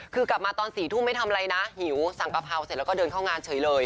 คือกลับมาตอน๔ทุ่มไม่ทำอะไรนะหิวสั่งกะเพราเสร็จแล้วก็เดินเข้างานเฉยเลย